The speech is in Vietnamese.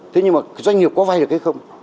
thế nhưng mà doanh nghiệp có vay được hay không